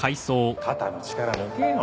肩の力抜けよ。